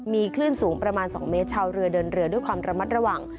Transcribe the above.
มีคลื่นสูงประมาณ๒เมตรชาวเรือเดินเรือด้วยความระมัดระวัง